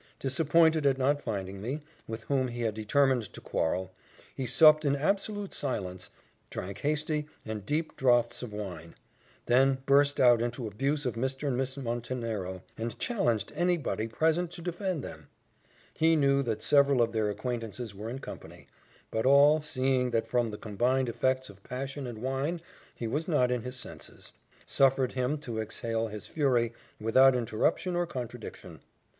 Disappointed at not finding me, with whom he had determined to quarrel, he supped in absolute silence drank hasty and deep draughts of wine then burst out into abuse of Mr. and Miss Montenero, and challenged any body present to defend them: he knew that several of their acquaintances were in company; but all, seeing that from the combined effects of passion and wine he was not in his senses, suffered him to exhale his fury without interruption or contradiction.